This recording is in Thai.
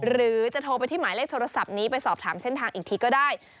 หรือจะโทรไปที่หมายเลขโทรศัพท์นี้ไปสอบถามเส้นทางอีกทีก็ได้